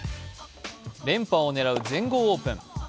連覇を狙う全豪オープン。